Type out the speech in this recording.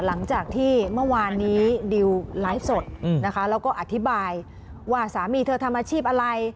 หลังจากที่เมื่อวานนี้ดิวไลฟ์สดนะคะแล้วก็อธิบายว่าสามีเธอทำอาชีพอะไร